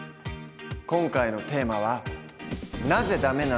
今回のテーマは「なぜダメなの？